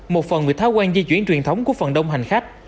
một phần vì tháo quan di chuyển truyền thống của phần đông hành khách